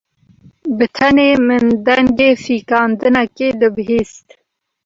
Bi tenê min dengê fîkandinekê dibihîst.